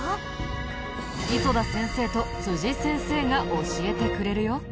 磯田先生と都司先生が教えてくれるよ。